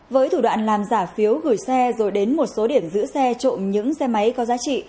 với thủ đoạn làm giả phiếu gửi xe rồi đến một số điểm giữ xe trộm những xe máy có giá trị